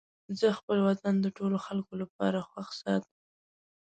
زه خپل وطن د ټولو خلکو لپاره خوښ ساتم.